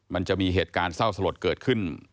มันจะมีเหตุการณ์เศร้าสลดเกิดขึ้น